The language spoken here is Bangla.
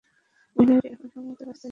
মহিলাটি এখন সম্ভবত রাস্তাই আছে।